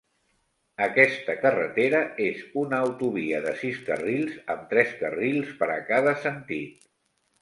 Aquesta carretera és una autovia de sis carrils amb tres carrils per a cada sentit.